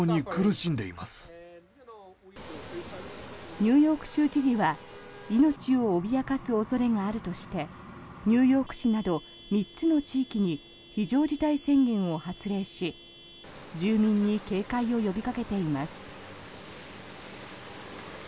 ニューヨーク州知事は命を脅かす恐れがあるとしてニューヨーク市など３つの地域に非常事態宣言を発令し住民に警戒を呼びかけています。